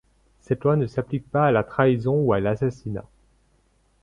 Cette loi ne s'applique pas à la trahison ou à l'assassinat.